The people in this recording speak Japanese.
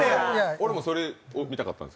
俺もそれを見たかったんです。